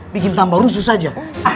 bikin tambah rusus aja